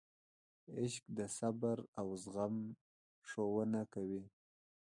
عشق د صبر او زغم ښوونه کوي.